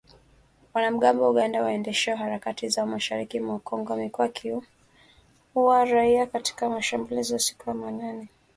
Wanamgambo wa Uganda waendeshao harakati zao mashariki mwa Kongo, wamekuwa wakiua raia katika mashambulizi ya usiku wa manane.